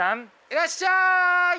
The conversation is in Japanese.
いらっしゃい！